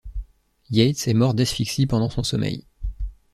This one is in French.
Yates est mort d'asphyxie pendant son sommeil.